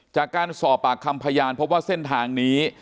จากการสอบปากคำพยานพบว่าเส้นทางนี้